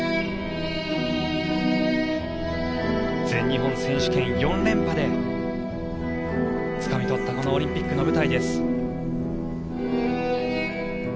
全日本選手権４連覇でつかみ取ったこのオリンピックの舞台です。